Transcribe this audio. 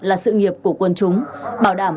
là sự nghiệp của quân chúng bảo đảm